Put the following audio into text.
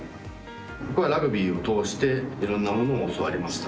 僕はラグビーを通していろいろなものを教わりました。